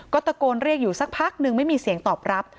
ก็ตะโกนเรียกอยู่สักพักหนึ่งไม่มีเสียงตอบรับ